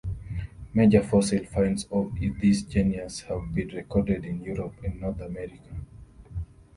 Major fossil finds of this genus have been recorded in Europe and North America.